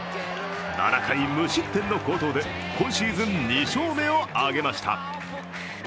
７回無失点の好投で今シーズン２勝目を挙げました。